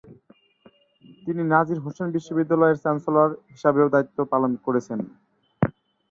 তিনি নাজির হুসেন বিশ্ববিদ্যালয়ের চ্যান্সেলর হিসাবেও দায়িত্ব পালন করেছেন।